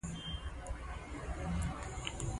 رفیع صاحب تر ودانۍ راسره راوووت.